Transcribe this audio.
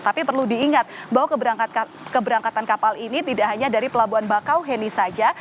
tapi perlu diingat bahwa keberangkatan kapal ini tidak hanya dari pelabuhan bakau heni saja